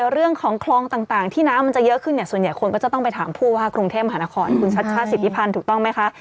เรื่องของคลองต่างที่น้ำมันจะเยอะขึ้นเนี่ยส่วนใหญ่คนก็จะต้องไปถามผู้ว่ากรุงเทพหานครคุณชัชชาติสิทธิพันธ์ถูกต้องไหมคะ